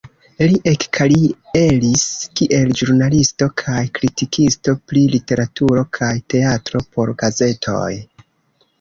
Li ekkarieris kiel ĵurnalisto kaj kritikisto pri literaturo kaj teatro por gazetoj.